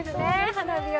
花火は。